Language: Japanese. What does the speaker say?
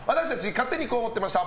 勝手にこう思ってました！